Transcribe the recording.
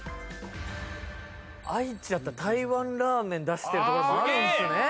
愛知だったら台湾ラーメン出してるところもあるんですね